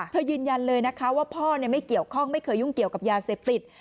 ยืนยันเลยนะคะว่าพ่อไม่เกี่ยวข้องไม่เคยยุ่งเกี่ยวกับยาเสพติด